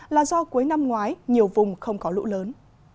là do cuối năm ngoái nhiều vùng không có lũ lớn